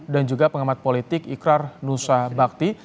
juga pengamat politik ikrar nusa bakti